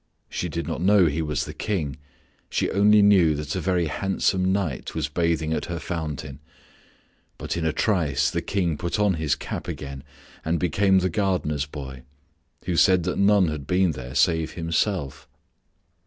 She did not know he was the King, she only knew that a very handsome knight was bathing at her fountain, but in a trice the King put on his cap again and became the gardener's boy, who said that none had been there save himself.